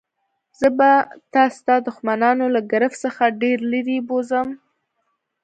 زه به تا ستا د دښمنانو له ګرفت څخه ډېر لیري بوزم.